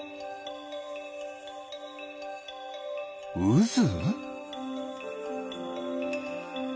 うず？